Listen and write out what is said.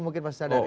mungkin pak sadar ya